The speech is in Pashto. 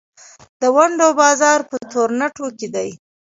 د ونډو بازار په تورنټو کې دی.